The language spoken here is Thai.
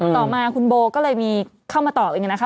ต่อมาคุณโบก็เลยมีเข้ามาตอบเองนะคะ